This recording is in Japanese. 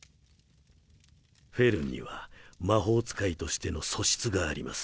フェルンには魔法使いとしての素質があります。